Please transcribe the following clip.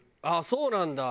そうなんだ。